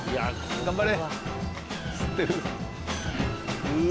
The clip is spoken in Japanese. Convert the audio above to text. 頑張れ。